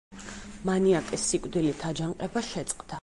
მანიაკეს სიკვდილით აჯანყება შეწყდა.